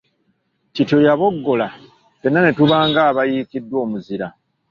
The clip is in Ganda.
Kityo yaboggola, ffenna ne tuba nga abayiikiddwa omuzira!